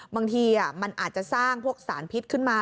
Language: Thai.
บางทีมันอาจจะสร้างพวกสารพิษขึ้นมา